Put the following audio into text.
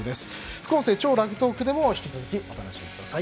副音声、「超ラグトーク」でも引き続きお楽しみください。